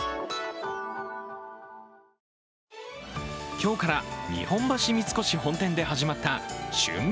今日から日本橋三越本店で始まった旬味